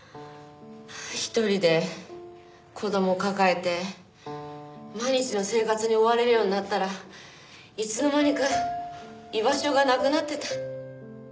一人で子供を抱えて毎日の生活に追われるようになったらいつの間にか居場所がなくなってた。